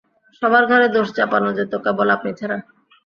সবার ঘাড়ে দোষ চাপানো যেত কেবল আপনি ছাড়া।